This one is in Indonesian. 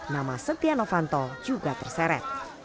nama setia novanto juga terseret